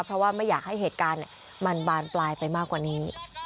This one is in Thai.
เพราะว่าไม่อยากให้เหตุการณ์มันบานปลายไปมากกว่านี้